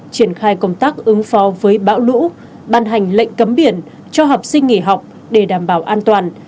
triển khai công tác ứng phó với bão lũ ban hành lệnh cấm biển cho học sinh nghỉ học để đảm bảo an toàn